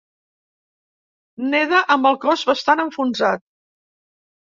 Neda amb el cos bastant enfonsat.